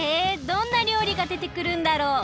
どんなりょうりがでてくるんだろう。